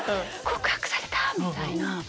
告白された！みたいな。